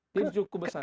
itu cukup besar